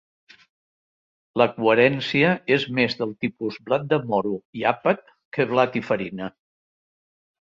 La coherència és més del tipus blat de moro i àpat que blat i farina.